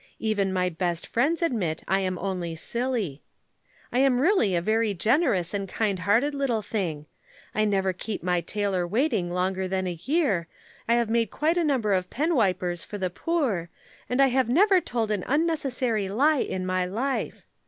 Even my best friends admit I am only silly. I am really a very generous and kind hearted little thing. I never keep my tailor waiting longer than a year, I have made quite a number of penwipers for the poor, and I have never told an unnecessary lie in my life.